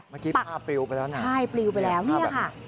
เมื่อกี้ผ้าปลิวไปแล้วนะ